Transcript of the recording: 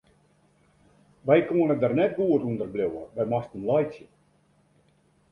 Wy koene der net goed ûnder bliuwe, wy moasten laitsje.